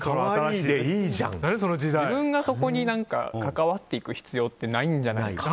自分がそこに関わっていく必要ってないんじゃないかと。